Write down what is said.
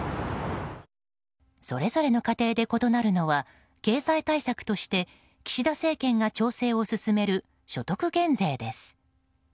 それぞれの家庭で異なるのは経済対策として岸田政権が調整を進める所得減税です。